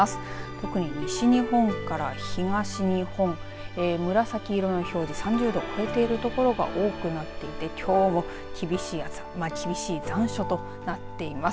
特に西日本から東日本紫色の表示３０度を超えているところが多くなっていてきょうも厳しい暑さ厳しい残暑となっています。